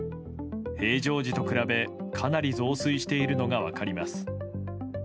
平常時と比べかなり増水しているのが分かります。